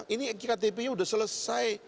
ini ktp nya udah selesai